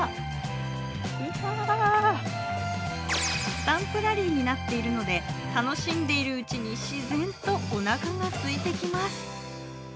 スタンプラリーになっているので楽しんでいるうちに自然とおなかがすいてきます。